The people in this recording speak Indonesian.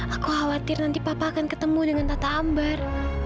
aku khawatir nanti papa akan ketemu dengan tata ambar